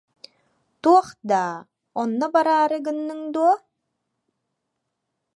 Туох даа, онно бараары гынныҥ дуо